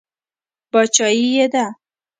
باچایي یې ده.